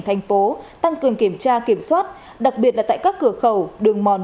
thành phố tăng cường kiểm tra kiểm soát đặc biệt là tại các cửa khẩu đường mòn